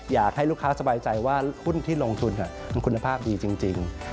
อยากให้ลูกค้าสบายใจว่าหุ้นที่ลงทุนคุณภาพดีจริง